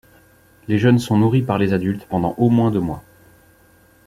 Les jeunes sont nourris par les adultes pendant au moins deux mois.